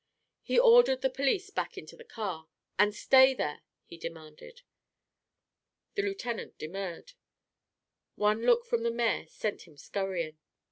He ordered the police back into the car. "And stay there," he demanded. The lieutenant demurred. One look from the mayor sent him scurrying.